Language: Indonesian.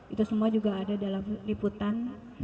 itu semua juga ada dalam liputan